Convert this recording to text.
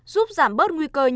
giúp giảm bớt nguy cơ